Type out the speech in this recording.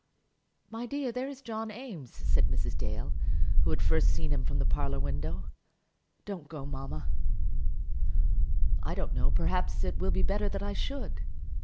"My dear, there is John Eames," said Mrs. Dale, who had first seen him from the parlour window. "Don't go, mamma." "I don't know; perhaps it will be better that I should."